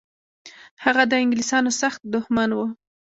هغه د انګلیسانو سخت دښمن و.